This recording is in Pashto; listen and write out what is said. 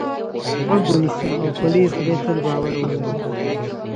غوږ ونیسه او په لوی خدای تل باور ولره.